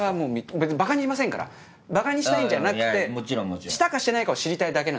別にばかにしませんからばかにしたいんじゃなくてしたかしてないかを知りたいだけなんです。